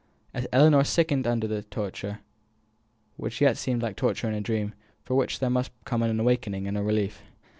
Ellinor sickened under the torture; which yet seemed like torture in a dream, from which there must come an awakening and a relief.